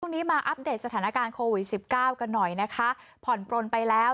ตรงนี้มาอัปเดตสถานการณ์โควิด๑๙กันหน่อยนะคะผ่อนปลนไปแล้ว